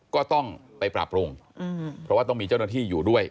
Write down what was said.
ก็ต้องไปปรับปรุงเพราะว่าต้องมีเจ้าหน้าที่อยู่ด้วย